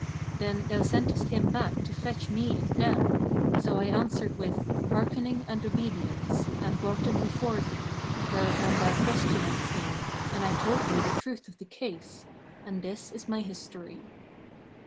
Then thou sentest him back to fetch me and them; so I answered with 'Hearkening and obedience,' and brought them before thee, whereupon thou questionedst me and I told thee the truth of the case; and this is my history."